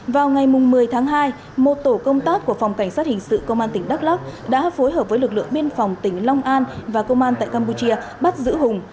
vào ngày một mươi tháng hai một tổ công tác của phòng cảnh sát hình sự công an tỉnh đắk lắc đã phối hợp với lực lượng biên phòng tỉnh long an và công an tại campuchia bắt giữ hùng